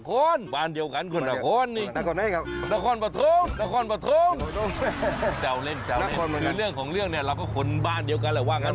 คุณนครบ้านเดียวกันคุณนครนะครับเศร้าเล่นคุณนครบ้านเดียวกันใครว่างั้น